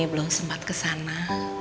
belum sempat kesana